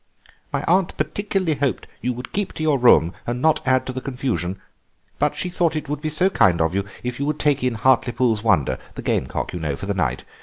My aunt particularly hoped you would keep to your room and not add to the confusion, but she thought it would be so kind of you if you would take in Hartlepool's Wonder, the gamecock, you know, for the night.